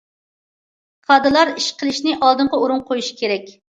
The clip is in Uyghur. كادىرلار ئىش قىلىشنى ئالدىنقى ئورۇنغا قويۇشى كېرەك.